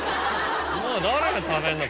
誰が食べんの？